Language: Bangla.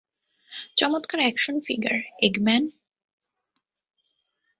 চমৎকার অ্যাকশন ফিগার, এগম্যান।